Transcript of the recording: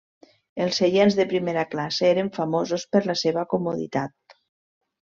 Els seients de primera classe eren famosos per la seva comoditat.